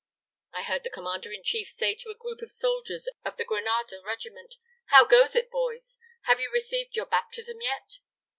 I heard the commander in chief say to a group of soldiers of the Granada regiment, 'How goes it, boys? Have you received your baptism yet?'